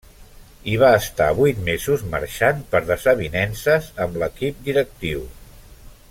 Hi va estar vuit mesos, marxant per desavinences amb l'equip directiu.